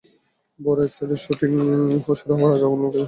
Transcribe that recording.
বড় এক সেটে শুটিং শুরু হওয়ার আগে আগুন লেগে যায়।